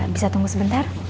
bisa tunggu sebentar